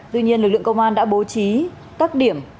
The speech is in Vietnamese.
tuy nhiên lực lượng công an đã bố trí các điểm